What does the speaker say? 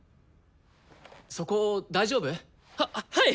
そこ大丈夫？ははい！